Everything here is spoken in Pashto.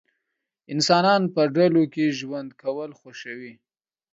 انسانان په ډلو کې ژوند کول خوښوي.